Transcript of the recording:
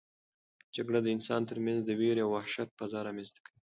جګړه د انسانانو ترمنځ د وېرې او وحشت فضا رامنځته کوي.